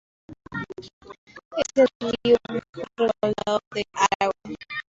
Es el río mejor regulado de Aragón.